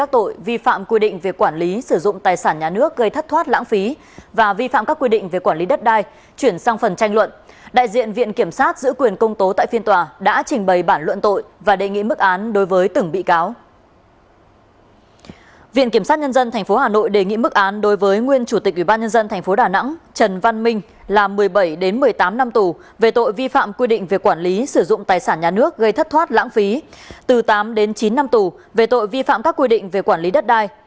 tội vi phạm quy định về quản lý sử dụng tài sản nhà nước gây thất thoát lãng phí từ năm đến sáu năm tù về tội vi phạm các quy định về quản lý đất đai